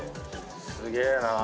すげえなぁ。